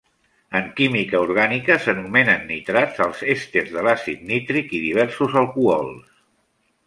En química orgànica s'anomenen nitrats als èsters de l'àcid nítric i diversos alcohols.